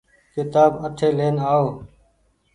ڪيتآب اٺي لين آئو۔